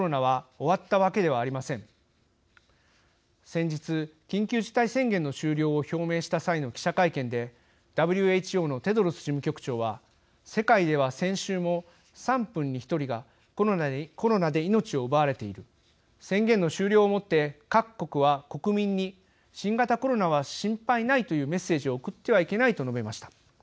先日緊急事態宣言の終了を表明した際の記者会見でＷＨＯのテドロス事務局長は「世界では先週も３分に１人がコロナで命を奪われている。宣言の終了をもって各国は国民に新型コロナは心配ないというメッセージを送ってはいけない」と述べました。